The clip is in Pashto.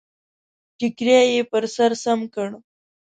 ټکری يې پر سر سم کړ.